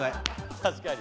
確かに。